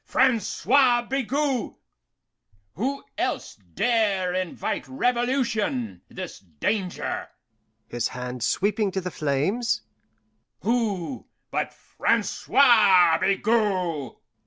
Francois Bigot. Who else dare invite revolution, this danger" his hand sweeping to the flames "who but Francois Bigot?"